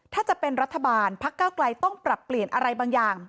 ถ้าจะเป็นรัฐบาลพักเก้าไกลต้องปรับเปลี่ยนอะไรบางอย่าง